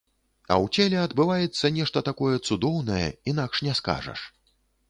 А ў целе адбываецца нешта такое цудоўнае, інакш не скажаш.